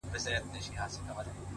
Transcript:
د فکر نظم د پرېکړې کیفیت لوړوي.!